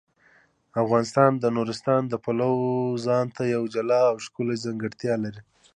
افغانستان د نورستان د پلوه ځانته یوه جلا او ښکلې ځانګړتیا لري.